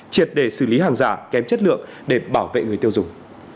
triệt để xử lý hàng giả kém chất lượng để bảo vệ người tiêu dùng